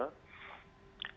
itu kriteria menegakkan diagnosi